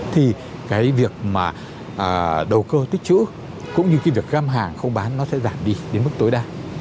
thì cái việc mà đầu cơ tích chữ cũng như cái việc găm hàng không bán nó sẽ giảm đi đến mức tối đa